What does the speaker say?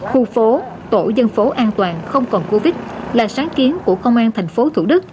khu phố tổ dân phố an toàn không còn covid một mươi chín là sáng kiến của công an thành phố thủ đức